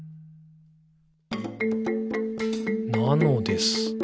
「なのです。」